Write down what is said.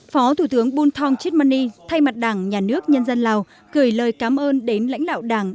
phó thủ tướng buntong chitmani thay mặt đảng nhà nước nhân dân lào gửi lời cảm ơn đến lãnh lạo đảng